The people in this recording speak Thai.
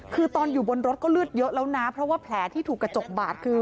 คือตอนอยู่บนรถก็เลือดเยอะแล้วนะเพราะว่าแผลที่ถูกกระจกบาดคือ